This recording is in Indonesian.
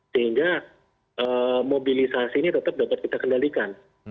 sehingga mobilisasi ini tetap dapat kita kendalikan